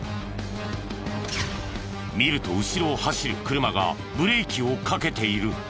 見ると後ろを走る車がブレーキをかけている。